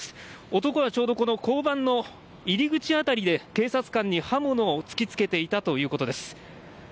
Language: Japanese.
男はちょうど交番の入り口辺りで警察官に刃物を突き付けていたということです。